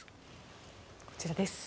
こちらです。